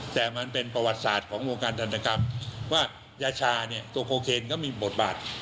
แต่มันเป็นประวัติศาสตร์ของวงการทันตกรรมว่ายาชาเนี่ยตัวโคเคนก็มีบทบาท